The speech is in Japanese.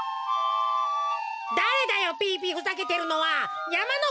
だれだよピーピーふざけてるのは！